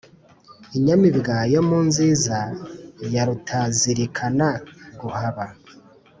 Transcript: inyamibwa yo mu nziza, ya rutazilikana guhaba,